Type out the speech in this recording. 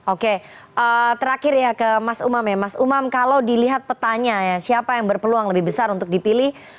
oke terakhir ya ke mas umam ya mas umam kalau dilihat petanya ya siapa yang berpeluang lebih besar untuk dipilih